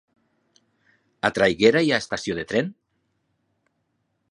A Traiguera hi ha estació de tren?